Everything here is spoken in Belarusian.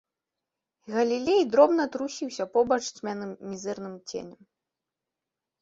Галілей дробна трусіўся побач цьмяным мізэрным ценем.